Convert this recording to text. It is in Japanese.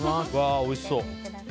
おいしそう。